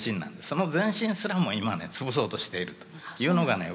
その前進すらも今ね潰そうとしているというのがね